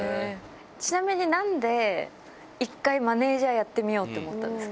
ちなみになんで、一回マネージャーやってみようと思ったんですか。